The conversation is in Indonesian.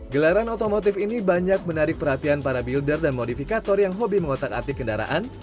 gelaran otomotif ini banyak menarik perhatian para builder dan modifikator yang hobi mengotak atik kendaraan